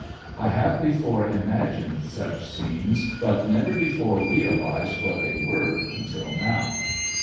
I have before imagined such scenes but never before realized what they were until now.